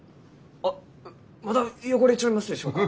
あっまだ汚れちょりますでしょうか？